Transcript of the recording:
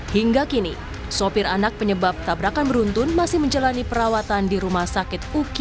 hingga kini sopir anak penyebab tabrakan beruntun masih menjalani perawatan di rumah sakit uki